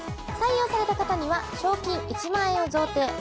採用された方には賞金１万円を贈呈。